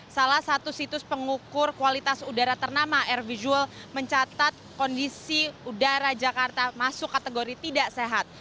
salah satu situs pengukur kualitas udara ternama air visual mencatat kondisi udara jakarta masuk kategori tidak sehat